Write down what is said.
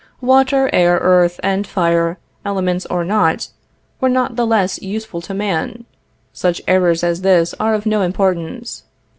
Water, air, earth, and fire, elements or not, were not the less useful to man.... Such errors as this are of no importance.